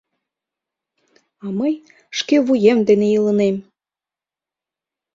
А мый шке вуем дене илынем.